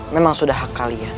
memang sudah hak kalian